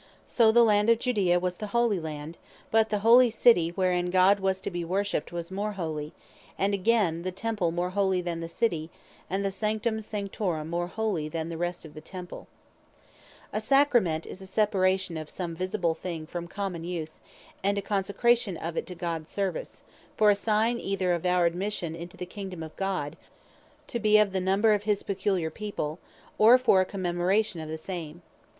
So the Land of Judea was the Holy Land; but the Holy City wherein God was to be worshipped, was more Holy; and again, the Temples more Holy than the City; and the Sanctum Sanctorum more Holy than the rest of the Temple. Sacrament A SACRAMENT, is a separation of some visible thing from common use; and a consecration of it to Gods service, for a sign, either of our admission into the Kingdome of God, to be of the number of his peculiar people, or for a Commemoration of the same.